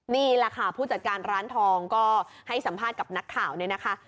นี่แหละค่ะผู้จัดการร้านทองก็ให้สัมภาษณ์กับนักข่าวเนี่ยนะคะ